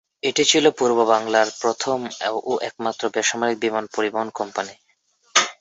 এটি ছিল পূর্ববাংলার প্রথম ও একমাত্র বেসামরিক বিমান পরিবহন কোম্পানি।